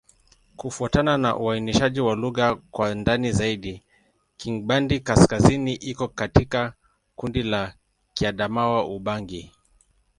Kufuatana na uainishaji wa lugha kwa ndani zaidi, Kingbandi-Kaskazini iko katika kundi la Kiadamawa-Ubangi.